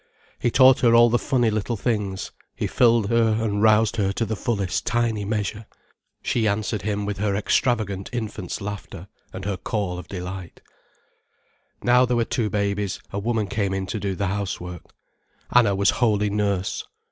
He taught her all the funny little things, he filled her and roused her to her fullest tiny measure. She answered him with her extravagant infant's laughter and her call of delight. Now there were two babies, a woman came in to do the housework. Anna was wholly nurse.